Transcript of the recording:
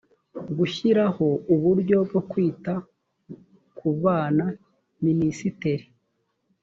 gushyiraho uburyo bwo kwita ku bana minisiteri